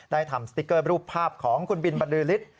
ทำสติ๊กเกอร์รูปภาพของคุณบินบรรลือฤทธิ